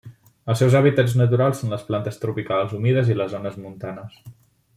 Els seus hàbitats naturals són les planes tropicals humides i les zones montanes.